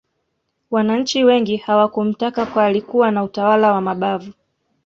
wananchi wengi hawakumtaka kwa alikuwa na utawala wa mabavu